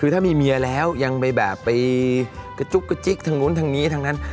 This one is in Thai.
คือถ้ามีเมียแล้วยังไปแบบไปกระจุกกระจิ๊กทางนู้นทางนี้ทางนั้น